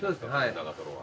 長瀞は。